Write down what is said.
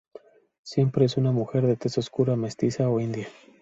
Siempre es una mujer de tez oscura, mestiza o india.